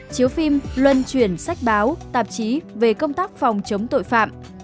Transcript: chiếu phim luân chuyển sách báo tạp chí về công tác phòng chống tội phạm